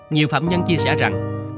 nhiều phạm nhân chia sẻ rằng